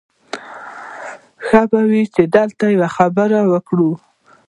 ښه به وي چې دلته یوه خبره وکړو